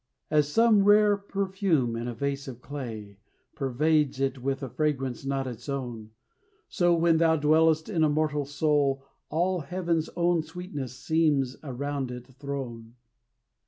As some rare perfume in a vase of clay Pervades it with a fragrance not its own, So, when thou dwellest in a mortal soul, All heaven's own sweetness seems around it thrown.